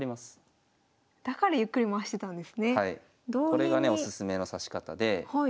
これがねおすすめの指し方で。